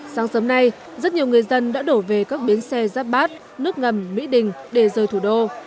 sáng sớm nay rất nhiều người dân đã đổ về các bến xe giáp bát nước ngầm mỹ đình để rời thủ đô